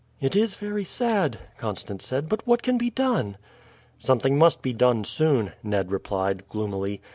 "It is very sad," Constance said; "but what can be done?" "Something must be done soon," Ned replied gloomily.